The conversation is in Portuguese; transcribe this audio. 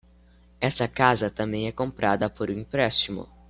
Esta casa também é comprada por um empréstimo.